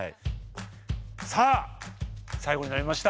さあ最後になりました。